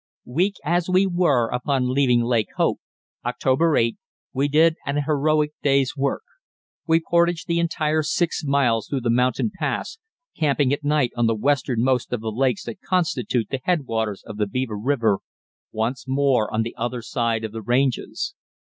Weak as we were upon leaving Lake Hope (October 8), we did an heroic day's work. We portaged the entire six miles through the mountain pass, camping at night on the westernmost of the lakes that constitute the headwaters of the Beaver River, once more on the other side of the ranges.